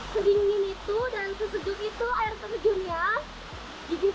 sebelum menikmati saya akan menikmati air terjun yang tersebut